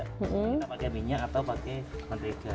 kita pakai minyak atau pakai mentega